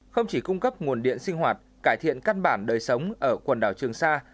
không chỉ cung cấp nguồn điện sinh hoạt cải thiện căn bản đời sống ở quần đảo trường sa